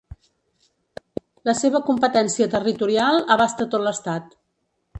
La seva competència territorial abasta tot l'Estat.